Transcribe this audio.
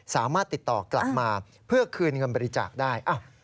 สามารถติดต่อกลับมาเพื่อคืนเงินบริจาคได้